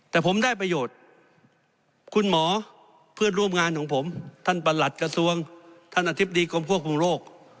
แต่ผมได้ประโยชน์คุณหมอเพื่อนร่วมงานของผมท่านประหลัดกระทรวงท่านอธิบดีกรมควบคุมโรค